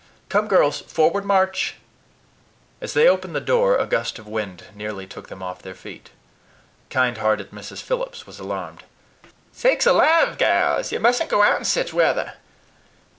Come, girls, forward, march!" As they opened the door, a gust of wind nearly took them off their feet. Kindhearted Mrs. Phillips was alarmed. "Sakes alive, galls! ye mussn't go out in sich weather.